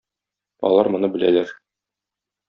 Алар моны беләләр.